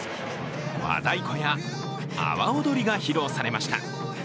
和太鼓や阿波おどりが披露されました。